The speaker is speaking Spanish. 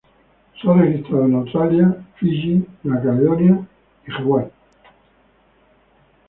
Se ha registrado en Australia, Fiyi, Nueva Caledonia y Hawaii.